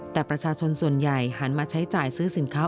แต่ประชาชนส่วนใหญ่หันมาใช้จ่ายซื้อสินค้า